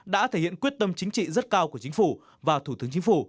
đã thể hiện quyết tâm chính trị rất cao của chính phủ và thủ tướng chính phủ